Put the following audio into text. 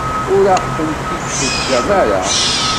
Ur aɣ-tent-id-teǧǧam ara.